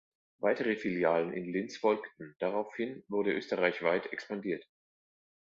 Weitere Filialen in Linz folgten, daraufhin wurde österreichweit expandiert.